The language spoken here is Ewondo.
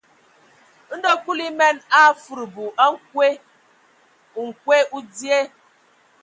Ndɔ Kulu emen a afudubu a nkwe: nkwe o dzyee.